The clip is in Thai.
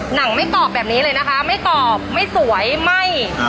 หนังไม่กรอบแบบนี้เลยนะคะไม่กรอบไม่สวยไหม้